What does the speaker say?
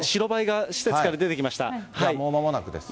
今、もうまもなくですね。